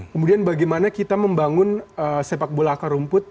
kemudian bagaimana kita membangun sepak bola akar rumput